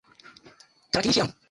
Tarakilishi yangu.